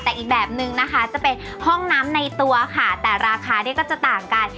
แต่อีกแบบนึงนะคะจะเป็นห้องน้ำในตัวค่ะแต่ราคาเนี่ยก็จะต่างกัน